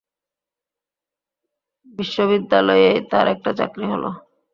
বিশ্ববিদ্যালয়েই তাঁর একটা চাকরি হল।